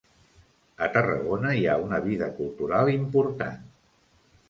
A Tarragona hi ha una vida cultural important.